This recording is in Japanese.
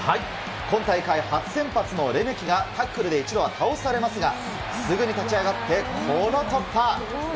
今大会初先発のレメキが、タックルで一度は倒されますが、すぐに立ち上がってこの突破。